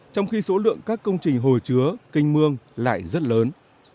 trong khi số lượng các công trình hồi chứa kênh mương lại rất lớn